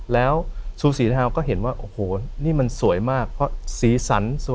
แล้วซูสีเทาก็เห็นว่าโอ้โหนี่มันสวยมากเพราะสีสันสวย